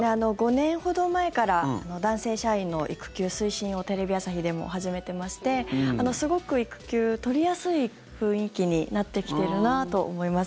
５年ほど前から男性社員の育休推進をテレビ朝日でも始めてましてすごく育休、取りやすい雰囲気になってきているなと思います。